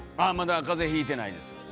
あっまだ風邪ひいてないです。